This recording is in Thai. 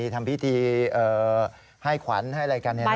ทำพิธีให้ขวัญให้อะไรกันเห็นไหม